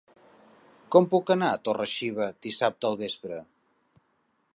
Com puc anar a Torre-xiva dissabte al vespre?